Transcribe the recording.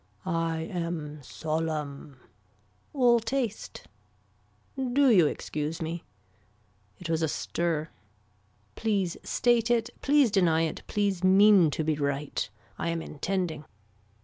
I am solemn. All taste. Do you excuse me. It was a stir. Please state it please deny it please mean to be right. I am intending.